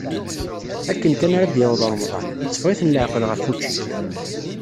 Akken kan ara d-yaweḍ remḍan, itteffeɣ-iten leɛqel ɣef učči.